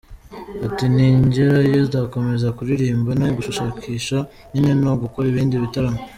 Ati “Ningerayo nzakomeza kuririmba, ni ugushakisha nyine no gukora ibindi bitaramo.